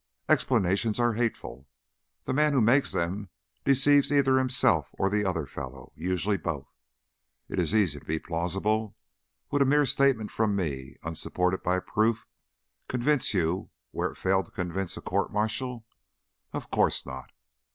"Explanations are hateful. The man who makes them deceives either himself or the other fellow usually both. It is easy to be plausible. Would a mere statement from me, unsupported by proof, convince you where it failed to convince a court martial? Of course not.